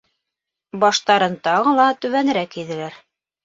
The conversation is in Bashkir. Баштарын тағы ла түбәнерәк эйҙеләр.